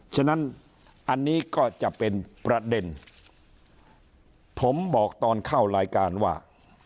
ฉะนั้นอันนี้ก็จะเป็นประเด็นผมบอกตอนเข้ารายการว่า